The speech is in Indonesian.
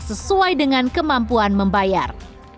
sesuai dengan kemampuan membayar